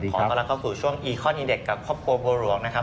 ขอต้อนรับเข้าสู่ช่วงอีคอนอินเด็กกับครอบครัวบัวหลวงนะครับ